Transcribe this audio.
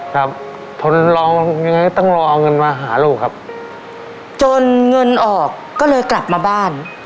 ครับคนเรายังไงต้องรอเอาเงินมาหาลูกครับจนเงินออกก็เลยกลับมาบ้าน